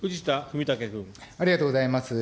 ありがとうございます。